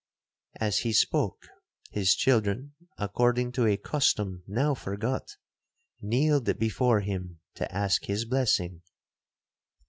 As he spoke, his children, according to a custom now forgot, kneeled before him to ask his blessing.